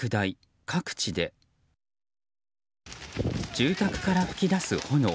住宅から噴き出す炎。